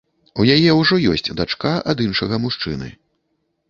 У яе ўжо ёсць дачка ад іншага мужчыны.